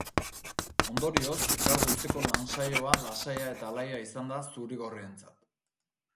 Ondorioz, gaur goizeko lan saioa lasaia eta alaia izan da zuri-gorrientzat.